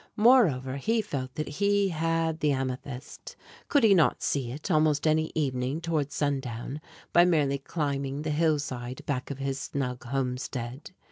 Moreover, he felt that he had the amethyst. Could he not see it almost any evening toward sundown by merely climbing the hillside back of his snug homestead?